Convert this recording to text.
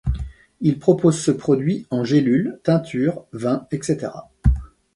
Ils proposent ce produit en gélules, teintures, vins, etc.